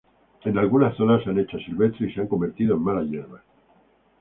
En algunas zonas se han hecho silvestres y se han convertido en malas hierbas.